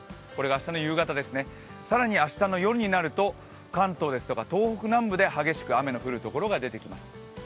明日の夕方ですね、更に明日の夜になると関東ですとか東北南部で激しく雨の降るところが出てきます。